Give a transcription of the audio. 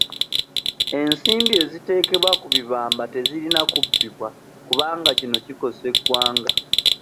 ensimbi eziteekebwa ku bibamba tezirina kubbibwa kubanga kino kikosa eggwanga.